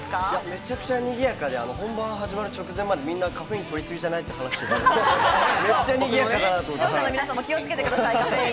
めちゃくちゃにぎやかで、本番始まる直前までみんなカフェインとりすぎじゃないって話してて、めっちゃにぎやかだなと思いまして。